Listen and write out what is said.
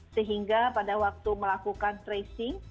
sehingga pada waktu melakukan tracing